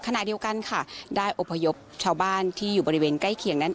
ขณะเดียวกันค่ะได้อพยพชาวบ้านที่อยู่บริเวณใกล้เคียงนั้น